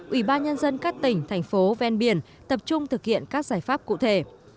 ủy ban nhân dân các tỉnh thành phố ven biển tập trung thực hiện các giải pháp cụ thể